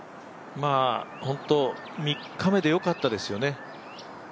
本当３日目で良かったですよね。